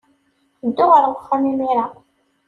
Ddu ɣer uxxam imir-a.